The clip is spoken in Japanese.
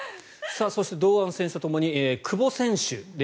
そして堂安選手とともに久保選手。